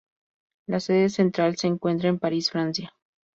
La sede central se encuentra en París, Francia.